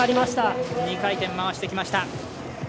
２回転、回してきました。